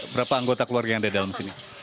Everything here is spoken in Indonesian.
berapa anggota keluarga yang ada di dalam sini